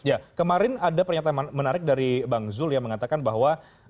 ya kemarin ada pernyataan menarik dari bang zul yang mengatakan bahwa